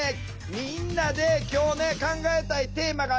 みんなで今日ね考えたいテーマがあります。